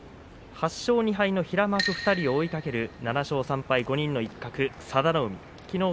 ８勝２敗の平幕２人を追いかける７勝３敗、５人の一角佐田の海きのう